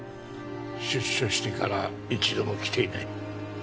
出所してから一度も来ていない。